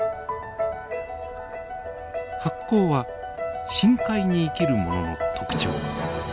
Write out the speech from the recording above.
発光は深海に生きるものの特徴。